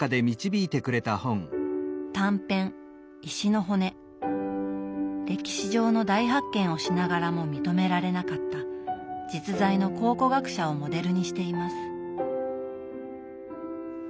短編歴史上の大発見をしながらも認められなかった実在の考古学者をモデルにしています。